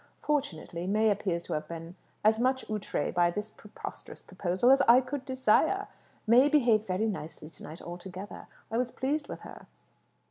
Fortunately, May appears to have been as much outrée by this preposterous proposal as I could desire. May behaved very nicely to night altogether. I was pleased with her."